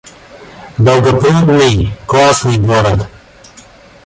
Долгопрудный — классный город